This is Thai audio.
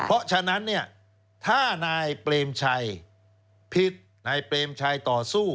เพราะฉะนั้นเนี่ยถ้านายเปรมชัยผิดนายเปรมชัยต่อสู้